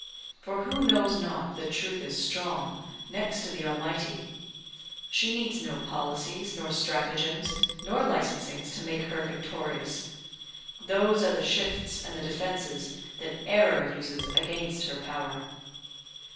For who knows not that Truth is strong, next to the Almighty? She needs no policies, nor stratagems, nor licensings to make her victorious; those are the shifts and the defences that error uses against her power.